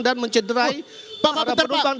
dan mencederai para penumpang